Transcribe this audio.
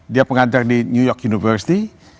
dia pengantar di new york university